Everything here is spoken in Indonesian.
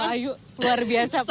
aduh terima kasih mbak